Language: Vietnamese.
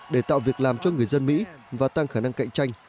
để tạo việc làm cho người dân mỹ và tăng khả năng cạnh tranh